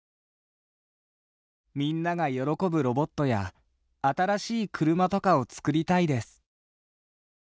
「みんなが喜ぶロボットや新しい車とかを作りたいです」